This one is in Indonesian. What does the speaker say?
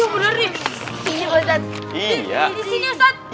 iya bener nih disini ustadz